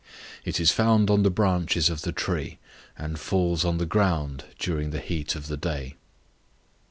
It is found on the branches of the tree, and falls on the ground during the heat of the day.